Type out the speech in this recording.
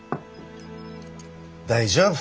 大丈夫。